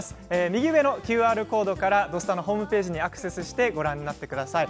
右上のＱＲコードで「土スタ」のホームページにアクセスしてご覧になってください。